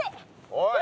おい。